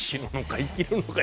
生きるのか！